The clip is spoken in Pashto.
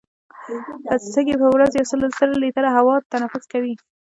سږي په ورځ یوولس زره لیټره هوا تنفس کوي.